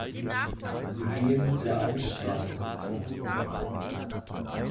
Sie gehen der „Einstrahlung“ vor.